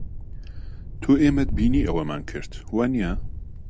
تۆ ئێمەت بینی ئەوەمان کرد، وانییە؟